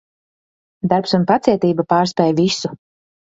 Darbs un pacietība pārspēj visu.